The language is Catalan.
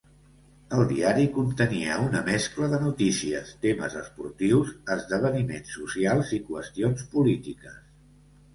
El diari contenia una mescla de noticies, temes esportius, esdeveniments socials i qüestions polítiques.